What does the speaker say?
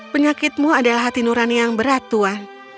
penyakitmu adalah hati nurani yang berat tuhan